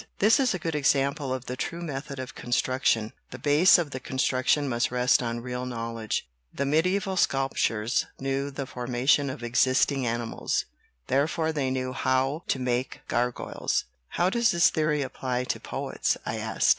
This is a good example of the true method of construction. The base of the construction must rest on real knowledge. The medieval sculptors knew the formation of existing animals; therefore they knew how to make gargoyles." "How does this theory apply to poets?" I asked.